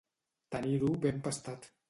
Tenir-ho ben pastat.